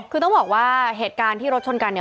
คือต้องบอกว่าเหตุการณ์ที่รถชนกันเนี่ย